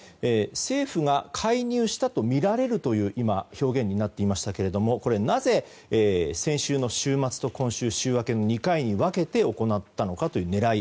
政府が介入したとみられるという表現に今なっていましたがなぜ、先週の週末と今週の週明けの２回に分けて行ったのかという狙い